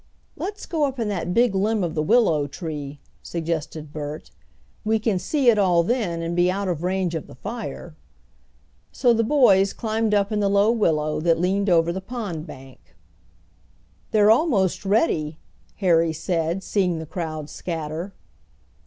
"Let's go up in that big limb of the willow tree," suggested Bert. "We can see it all then, and be out of range of the fire." So the boys climbed up in the low willow, that leaned over the pond bank. "They're almost ready," Harry said, seeing the crowd scatter.